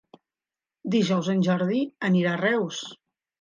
Dijous en Jordi anirà a Reus.